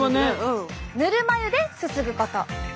「ぬるま湯ですすぐこと！」。